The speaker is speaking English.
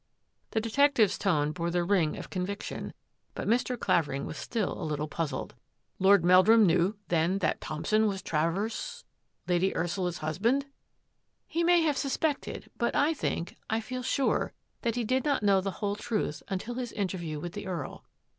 The detective's tone bore the ring of convic tion, but Mr. Clavering was still a little puzzled. " Lord Meldrum knew then that Thompson was Travers — Lady Ursula's husband? "" He may have suspected, but I think — I feel sure — that he did not know the whole truth until his interview with the Earl.